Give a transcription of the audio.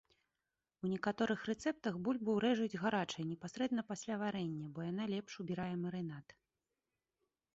У некаторых рэцэптах бульбу рэжуць гарачай непасрэдна пасля варэння, бо яна лепш убірае марынад.